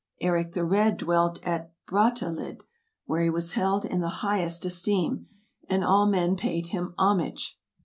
Eric the Red dwelt at Brattahlid, where he was held in the highest esteem, and all men paid him homage.